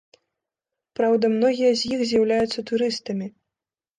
Праўда, многія з іх з'яўляюцца турыстамі.